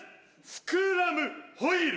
スクラムホイール。